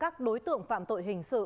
các đối tượng phạm tội hình sự